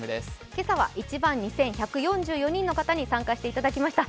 今朝は１万２１４４人の方に選んでいただきました。